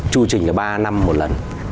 chu trình là ba năm một lần